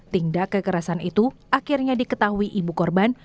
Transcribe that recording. tindak kekerasan itu akhirnya diketahui ibu korban